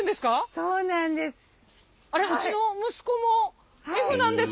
そうなんです。